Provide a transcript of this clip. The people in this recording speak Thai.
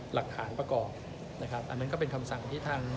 หลักฐานประกอบนะครับอันนั้นก็เป็นคำสั่งที่ทาง